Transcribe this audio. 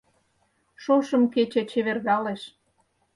Шошым кече чевергалеш